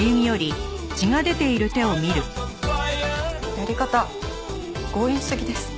やり方強引すぎです。